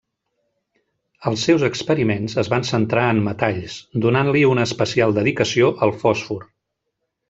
Els seus experiments es van centrar en metalls, donant-li una especial dedicació al fòsfor.